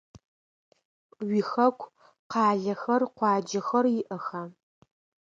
Уихэку къалэхэр, къуаджэхэр иӏэха?